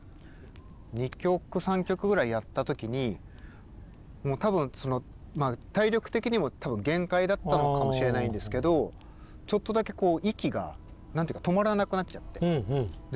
２曲３曲やった時に多分体力的にも限界だったのかもしれないんですけどちょっとだけ息が何て言うか止まらなくなっちゃって。